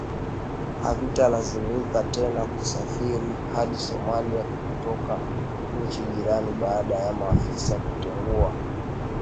havitalazimika tena kusafiri hadi Somalia kutoka nchi jirani baada ya maafisa kutengua